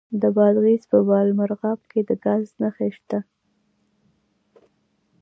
د بادغیس په بالامرغاب کې د ګاز نښې شته.